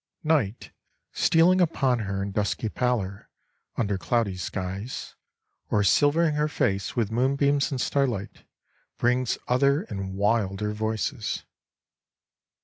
Night, stealing upon her in dusky pallor, under cloudy skies, or silvering her face with moonbeams and starlight, brings other and wilder voices.